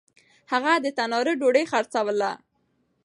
هغه د تنار ډوډۍ خرڅلاوه. .